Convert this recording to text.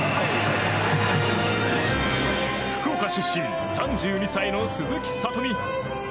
福岡出身、３２歳の鈴木聡美。